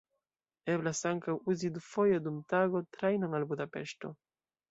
Eblas ankaŭ uzi dufoje dum tago trajnon al Budapeŝto.